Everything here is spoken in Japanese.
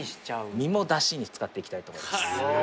身もダシに使っていきたいと思います